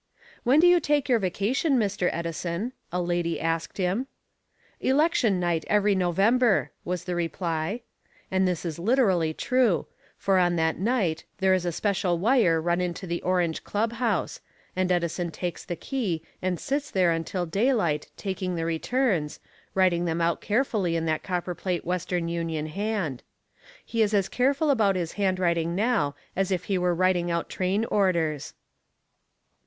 "When do you take your vacation, Mr. Edison?" a lady asked him. "Election night every November," was the reply. And this is literally true, for on that night there is a special wire run into the Orange Clubhouse, and Edison takes the key and sits there until daylight taking the returns, writing them out carefully in that copperplate Western Union hand. He is as careful about his handwriting now as if he were writing out train orders.